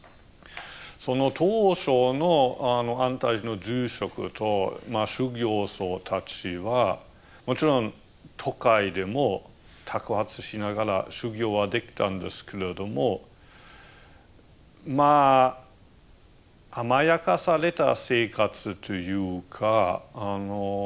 その当初の安泰寺の住職と修行僧たちはもちろん都会でも托鉢しながら修行はできたんですけれどもまあ甘やかされた生活というか。